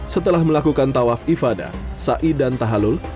setelah melakukan tawaf ifadah sa i dan tahalul